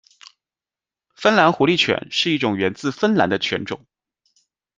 芬兰狐狸犬是一种源自芬兰的犬种。